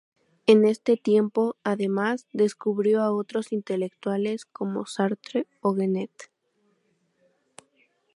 En ese tiempo, además, descubrió a otros intelectuales como Sartre o Genet.